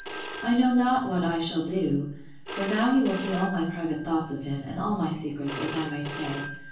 I know not what I shall do! For now he will see all my private thoughts of him, and all my secrets, as I may say.